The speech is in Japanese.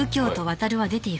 はい。